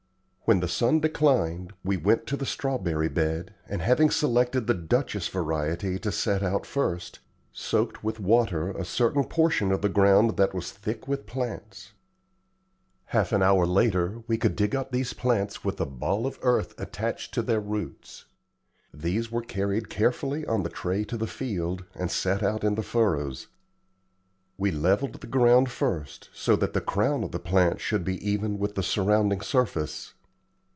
When the sun declined, we went to the strawberry bed, and having selected the Duchess variety to set out first, soaked with water a certain portion of the ground that was thick with plants. Half an hour later, we could dig up these plants with a ball of earth attached to their roots. These were carried carefully on the tray to the field, and set out in the furrows. We levelled the ground first, so that the crown of the plant should be even with the surrounding surface.